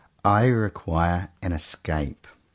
I require an escape.